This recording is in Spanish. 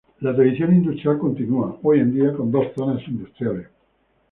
La tradición industrial continúa hoy en día con dos zonas industriales.